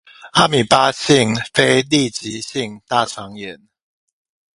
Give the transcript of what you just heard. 阿米巴性非痢疾性大腸炎